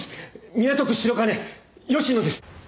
港区白金吉野です！